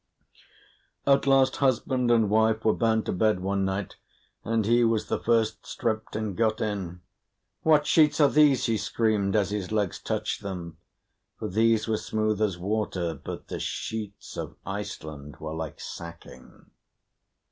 At last husband and wife were bound to bed one night, and he was the first stripped and got in. "What sheets are these?" he screamed, as his legs touched them, for these were smooth as water, but the sheets of Iceland were like sacking.